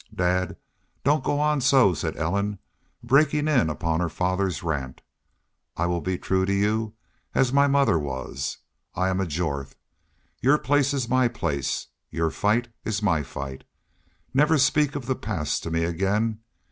"Dad, don't go on so," said Ellen, breaking in upon her father's rant. "I will be true to y'u as my mother was.... I am a Jorth. Your place is my place your fight is my fight.... Never speak of the past to me again.